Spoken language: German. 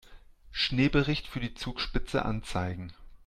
Schneebericht für die Zugspitze anzeigen.